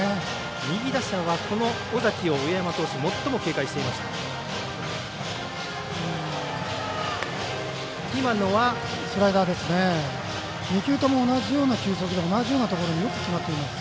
右打者は尾崎を上山投手最も警戒していました。